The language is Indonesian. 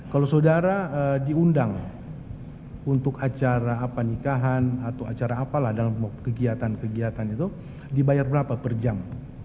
kalau saudara diundang untuk acara apa nikahan atau acara apalah dalam kegiatan kegiatan itu dibayar berapa per jam